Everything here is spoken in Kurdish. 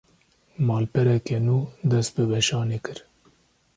Malpereke nû, dest bi weşanê kir